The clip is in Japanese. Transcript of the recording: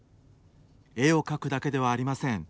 絵を描くだけではありません。